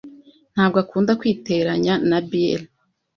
Ntabwo akunda kwiteranya na Bill.